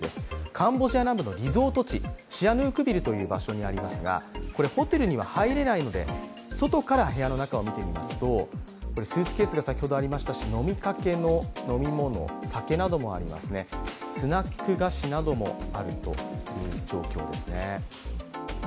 カンボジア南部のリゾート地シアヌークビルというところにありますがホテルには入れないので外から部屋の中を見てみますとスーツケースが先ほどありましたし、飲みかけの飲み物、酒などもありますね、スナック菓子などもあるという状況ですね。